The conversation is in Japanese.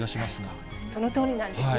そのとおりなんですね。